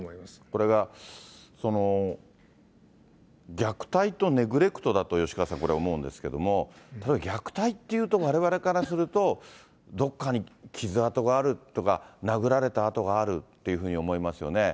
これが虐待とネグレクトだと吉川さん、思うんですけれども、虐待っていうと、われわれからすると、どこかに傷痕があるとか、殴られた痕があるというふうに思いますよね。